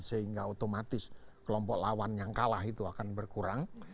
sehingga otomatis kelompok lawan yang kalah itu akan berkurang